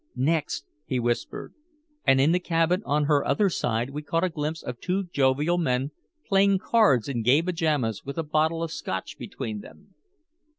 "Next," he whispered. And in the cabin on her other side we caught a glimpse of two jovial men playing cards in gay pajamas with a bottle of Scotch between them.